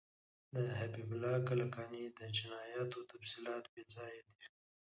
د حبیب الله کلکاني د جنایاتو تفصیلات بیځایه دي.